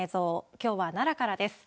きょうは奈良からです。